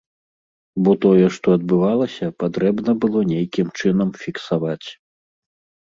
Бо тое, што адбывалася, патрэбна было нейкім чынам фіксаваць.